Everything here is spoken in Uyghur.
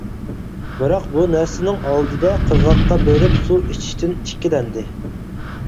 بىراق بۇ نەرسىنىڭ ئالدىدا قىرغاققا بېرىپ سۇ ئىچىشتىن ئىككىلەندى.